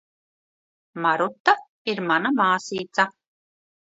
Maruta ir mana māsīca.